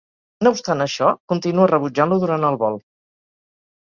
No obstant això, continua rebutjant-lo durant el vol.